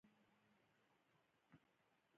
هغه به ډېر استغفار کاوه.